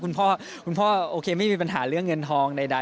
คุณพ่อคุณพ่อโอเคไม่มีปัญหาเรื่องเงินทองใด